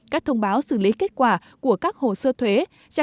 các thông báo xử lý kết quả của các hồ sơ thuế đã gửi đến cơ quan thuế